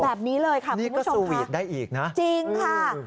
แบบนี้เลยค่ะคุณผู้ชมค่ะจริงค่ะนี่ก็สวิตได้อีกนะนี่ก็สวิตได้อีกนะ